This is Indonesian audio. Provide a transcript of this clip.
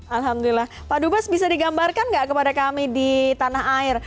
alhamdulillah pak dubes bisa digambarkan nggak kepada kami di tanah air